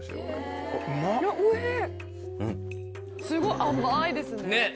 すごい甘いですね。